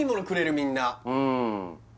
みんな